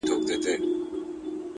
هوډ د نیمګړو لارو بشپړونکی دی.